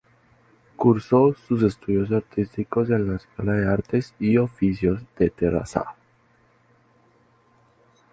Cursó sus estudios artísticos en la Escuela de Artes y Oficios de Terrassa.